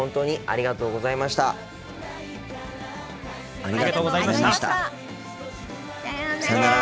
ありがとうございました。さようなら！